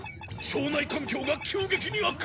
腸内環境が急激に悪化！